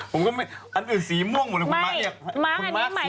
ผมก็ไม่อันอื่นสีม่วงหมดเลยคุณมาสคุณมาสสีเขียวไว้ด้วยคืออะไรไม่เข้าใจ